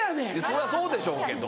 そりゃそうでしょうけど。